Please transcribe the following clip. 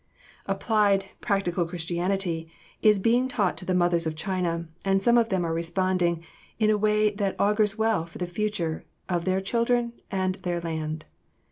] "Applied, practical Christianity" is being taught to the mothers of China, and some of them are responding in a way that augurs well for the future of their children and their land.